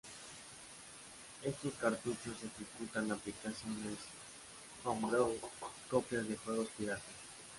Estos cartuchos ejecutan aplicaciones homebrew y copias de juegos piratas.